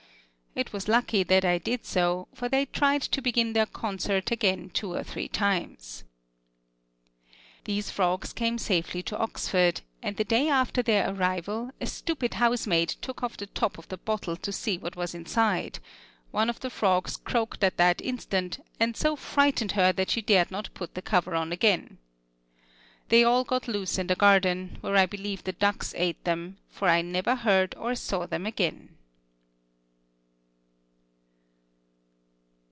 It was lucky that I did so, for they tried to begin their concert again two or three times. These frogs came safely to Oxford; and the day after their arrival, a stupid housemaid took off the top of the bottle to see what was inside; one of the frogs croaked at that instant, and so frightened her that she dared not put the cover on again. They all got loose in the garden, where I believe the ducks ate them, for I never heard or saw them again.